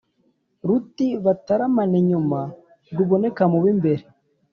Ruti bataramana inyuma, ruboneka mu b’imbere,